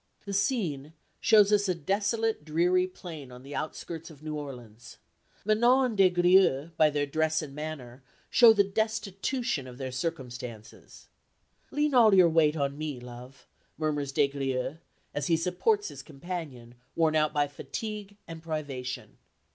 The scene shows us a desolate dreary plain on the outskirts of New Orleans. Manon and Des Grieux by their dress and manner show the destitution of their circumstances. "Lean all your weight on me, love," murmurs Des Grieux, as he supports his companion, worn out by fatigue and privation.